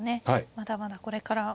まだまだこれから。